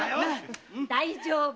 大丈夫。